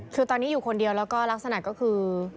คือตอนนี้อยู่คนเดียวแล้วก็ลักษณะก็คือ